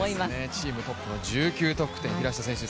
チームトップの１９得点平下選手